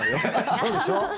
そうでしょ？